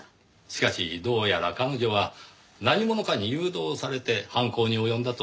しかしどうやら彼女は何者かに誘導されて犯行に及んだと考えられます。